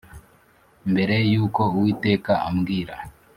mbere yuko uwiteka ambwira,